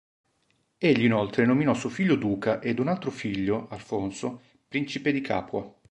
Egli inoltre nominò suo figlio Duca ed un altro figlio, Alfonso, Principe di Capua.